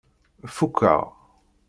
Fukkeɣ.